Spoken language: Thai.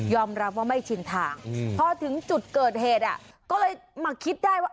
รับว่าไม่ชินทางพอถึงจุดเกิดเหตุก็เลยมาคิดได้ว่า